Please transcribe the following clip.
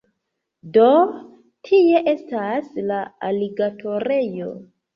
Do, tie estas la aligatorejo